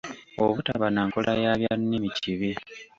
Obutaba na nkola ya byannimi kibi.